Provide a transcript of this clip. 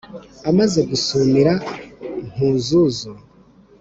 amaze gusumira nkuzuzu